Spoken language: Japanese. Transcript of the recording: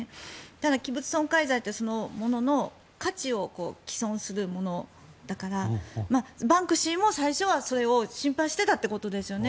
ただ器物損壊罪ってそのものの価値を毀損するものだからバンクシーも最初はそれを心配してたってことですよね。